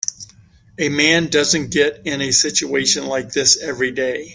A man doesn't get in a situation like this every day.